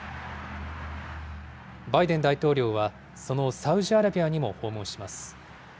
バイデン大統領はそのサウジアラビアにも訪問します。